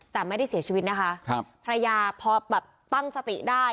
แต่ไม่ได้เสียชีวิตนะคะครับภรรยาพอแบบตั้งสติได้